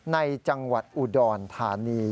ในจังหวัดอุดรธานี